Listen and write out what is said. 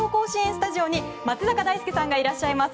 スタジオに松坂大輔さんがいらっしゃいます。